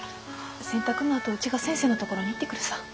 洗濯のあとうちが先生の所に行ってくるさぁ。